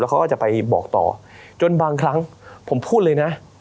เขาก็จะไปบอกต่อจนบางครั้งผมพูดเลยนะ